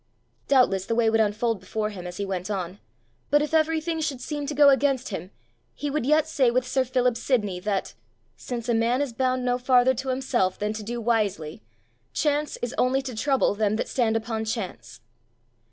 Doubtless the way would unfold before him as he went on; but if everything should seem to go against him, he would yet say with sir Philip Sidney that, "since a man is bound no farther to himself than to do wisely, chance is only to trouble them that stand upon chance."